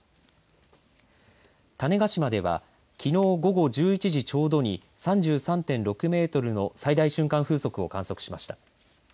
種子島ではきのう午後１１時ちょうどに３３．６メートルの最大瞬間風速を観測しました。